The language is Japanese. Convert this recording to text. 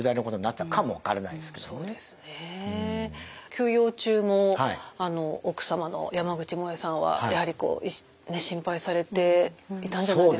休養中も奥様の山口もえさんはやはりこう心配されていたんじゃないですか？